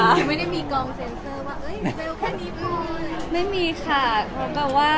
ยังไม่ได้มีกล้องเซ็นเซอร์ว่าเบลแค่นี้มัน